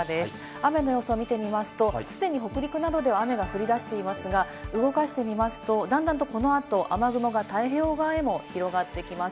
雨の予想を見てみますと、北陸などではすでに雨が降り出していますが、だんだんこの後、雨雲が太平洋側へも広がっていきます。